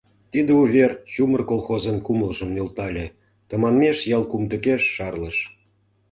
Тиде увер чумыр колхозын кумылжым нӧлтале, тыманмеш ял кумдыкеш шарлыш.